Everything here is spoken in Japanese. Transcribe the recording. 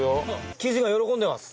生地が喜んでます！